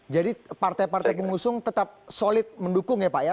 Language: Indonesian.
partai partai pengusung tetap solid mendukung ya pak ya